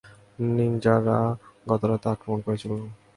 নিন্জারা গতরাতে আক্রমণ করেছিল।